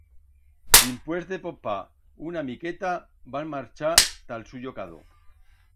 Dimpués de popar una miqueta, van marchar ta'l suyo cado.